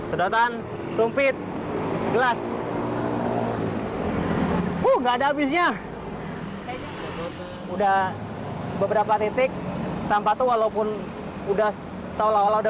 ada karya relying yang kanan bahwa waktu suatu kelajuan di sekitarnya